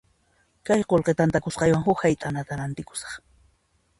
Kay qullqi tantakusqaywan huk hayt'anata rantikusaq.